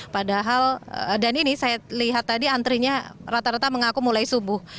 padahal dan ini saya lihat tadi antrinya rata rata mengaku mulai subuh